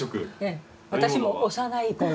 私も幼い頃はい。